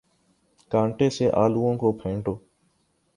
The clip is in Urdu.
کانٹے سے آلووں کو پھینٹو